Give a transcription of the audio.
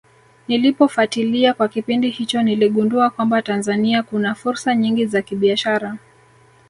Nilipofatilia kwa kipindi hicho niligundua kwamba Tanzania kuna fursa nyingi za kibiashara